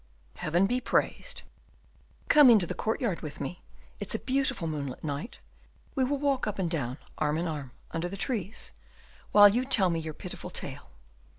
"Heaven be praised!" "Come into the courtyard with me; it's a beautiful moonlit night; we will walk up and down, arm in arm, under the trees, while you tell me your pitiful tale."